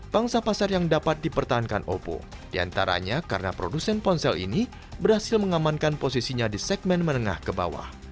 pangsa pasar yang dapat dipertahankan oppo diantaranya karena produsen ponsel ini berhasil mengamankan posisinya di segmen menengah ke bawah